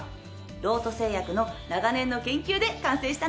ロート製薬の長年の研究で完成したのよ。